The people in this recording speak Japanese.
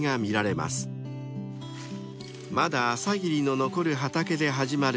［まだ朝霧の残る畑で始まる収穫］